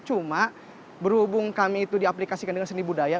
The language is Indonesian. cuma berhubung kami itu diaplikasikan dengan seni budaya